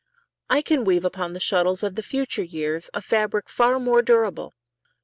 I can weave Upon the shuttles of the future years A fabric far more durable.